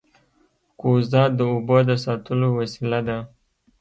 کوزه د اوبو د ساتلو وسیله ده